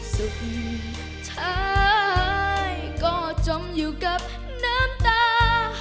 สุดท้ายก็จมอยู่กับน้ำตา